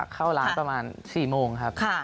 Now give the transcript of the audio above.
เข้าร้านประมาณ๔โมงครับ